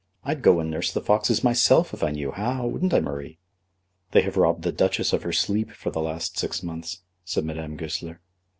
I'd go and nurse the foxes myself if I knew how, wouldn't I, Marie?" "They have robbed the Duchess of her sleep for the last six months," said Madame Goesler.